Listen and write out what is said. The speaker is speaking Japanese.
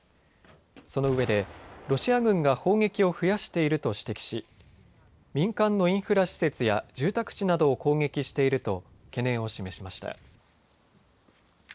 そのうえでロシア軍が砲撃を増やしていると指摘し民間のインフラ施設や住宅地などを攻撃していると懸念を示しました。